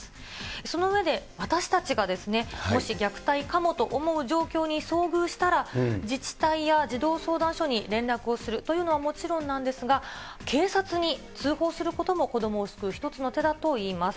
その上で、私たちがもし虐待かもと思う状況に遭遇したら、自治体や児童相談所に連絡をするというのはもちろんなんですが、警察に通報することも、子どもを救う一つの手だといいます。